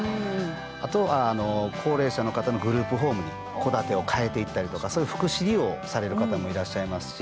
あと高齢者の方のグループホームに戸建てを変えていったりとかそういう福祉利用をされる方もいらっしゃいますし。